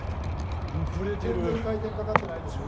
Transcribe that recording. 全然回転かかってないでしょ？